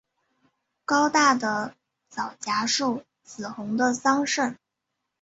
高大的皂荚树，紫红的桑葚